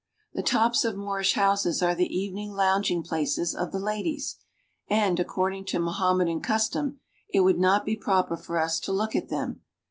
The tops of Moorish houses are the evening lounging places of the ladies, and, according to Moham medan custom, it would not be proper for us to look at them.